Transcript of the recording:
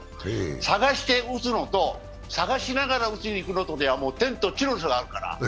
探して打つのと、探しながら打ちにいくのとでは、天と地のさがあるから。